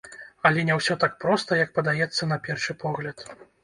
Але не ўсё так проста, як падаецца на першы погляд.